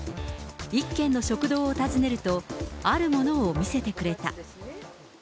一軒の食堂を訪ねると、あるものを見せてくれた。